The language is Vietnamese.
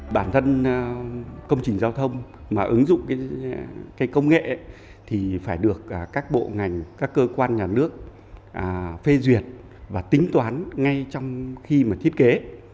bản thân công trình giao thông mà ứng dụng công nghệ thì phải được các bộ ngành các cơ quan nhà nước phê duyệt và tính toán ngay trong khi mà thiết kế